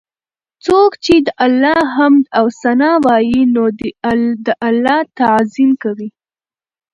څوک چې د الله حمد او ثناء وايي، نو دی د الله تعظيم کوي